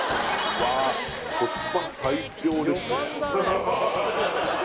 うわコスパ最強ですね